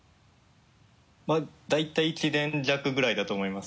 大体１年弱ぐらいだと思います。